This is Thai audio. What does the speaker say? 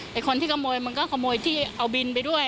แต่คนที่ขโมยมันก็ขโมยที่เอาบินไปด้วย